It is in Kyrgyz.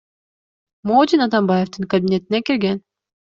Модин Атамбаевдин кабинетине кирген.